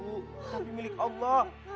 kamu tidak harus digilirimu